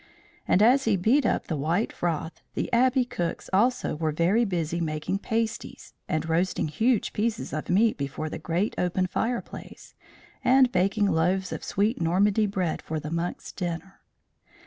And as he beat up the white froth, the Abbey cooks also were very busy making pasties, and roasting huge pieces of meat before the great open fireplace, and baking loaves of sweet Normandy bread for the monks' dinner.